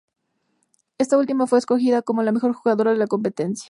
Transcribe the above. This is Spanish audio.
Esta última fue escogida como la mejor jugadora de la competencia.